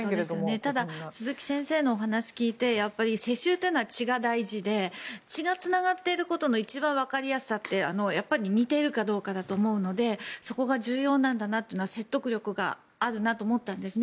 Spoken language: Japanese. ただ鈴木先生のお話を聞いて世襲というのは血が大事で血がつながっていることの一番わかりやすさって、やっぱり似ているかどうかだと思うのでそこが重要なんだなというのは説得力があるなと思ったんですね。